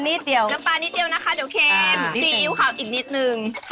แล้วปลานิดเดียวนะคะเดี๋ยวเค็มซีอิ๊วขาวอีกนิดหนึ่ง